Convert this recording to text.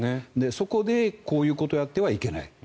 そこでこういうことをやってはいけない。